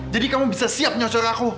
jadi kamu bisa siap nyocor aku